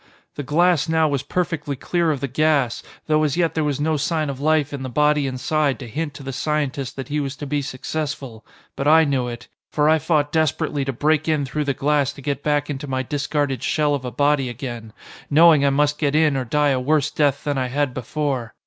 The glass now was perfectly clear of the gas, though as yet there was no sign of life in the body inside to hint to the scientist that he was to be successful. But I knew it. For I fought desperately to break in through the glass to get back into my discarded shell of a body again, knowing I must get in or die a worse death than I had before.